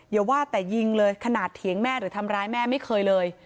อย่าว่าแต่ยิงเลยขนาดเถียงแม่หรือทำร้ายแม่ไม่เคยเลย